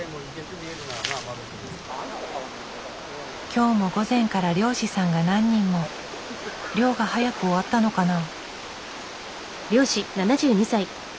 今日も午前から漁師さんが何人も。漁が早く終わったのかな？